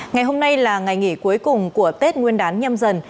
ngày hôm nay là ngày nghỉ cuối cùng của tết nguyên đán nhâm dần